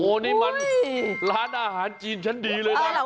นี่มันร้านอาหารจีนชั้นดีเลยนะ